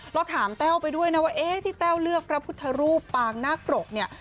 เราถามแต้วไปด้วยนะว่าเอ๊ะที่แต้วเลือกพระพุทธรูปปางนาคปรกเนี่ย